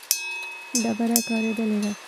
ډبره کارېدلې ده.